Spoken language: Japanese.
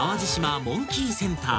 あモンキーセンター